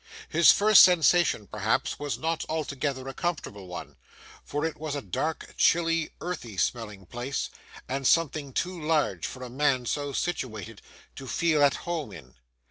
His first sensation, perhaps, was not altogether a comfortable one, for it was a dark, chilly, earthy smelling place, and something too large, for a man so situated, to feel at home in.